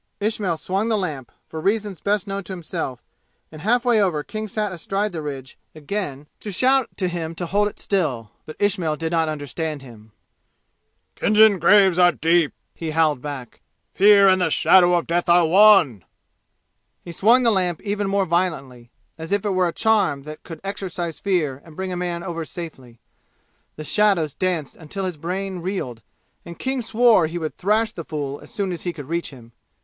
Ismail swung the lamp, for reasons best known to himself, and half way over King sat astride the ridge again to shout to him to hold it still. But Ismail did not understand him. "Khinjan graves are deep!" he howled back. "Fear and the shadow of death are one!" He swung the lamp even more violently, as if it were a charm that could exorcise fear and bring a man over safely. The shadows danced until his brain reeled, and King swore he would thrash the fool as soon as he could reach him.